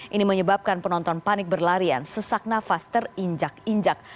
ini menyebabkan penonton panik berlarian sesak nafas terinjak injak